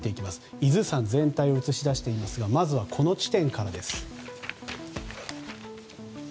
伊豆山全体を映し出していますがまずは、この地点からです。